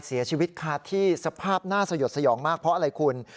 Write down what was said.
เสียชีวิตคาที่สภาพน่าสยดสยองมากเพราะอะไรคุณ